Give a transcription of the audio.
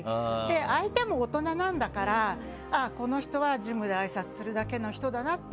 相手も大人なんだからこの人はジムであいさつするだけの人だなって。